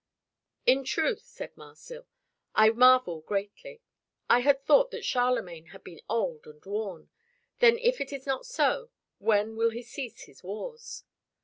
"In truth," said Marsil, "I marvel greatly. I had thought that Charlemagne had been old and worn. Then if it is not so, when will he cease his wars?"